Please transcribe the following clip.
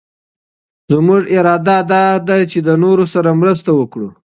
زمونږ اراده دا ده چي د نورو سره مرسته وکړو.